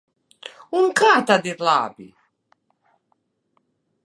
Un kā tad ir labi?